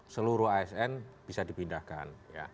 seluruh asn bisa dipindahkan